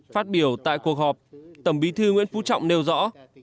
phát biểu tại cuộc họp tổng bí thư nguyễn phú trọng nêu rõ